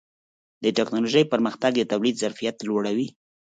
د ټکنالوجۍ پرمختګ د تولید ظرفیت لوړوي.